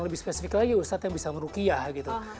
lebih spesifik lagi ustadz yang bisa merukiah gitu